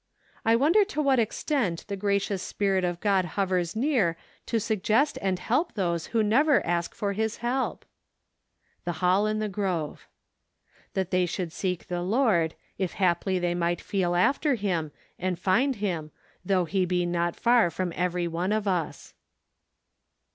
20. I wonder to what extent the gracious Spirit of God hovers near to suggest and help those who never ask for His help ? The Ilall in the Grove. " That they should seek the Lord , if haply they might feel after Him, and find Him , though He he not far from every one of as."